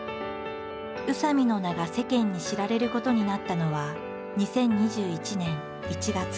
宇佐見の名が世間に知られることになったのは２０２１年１月。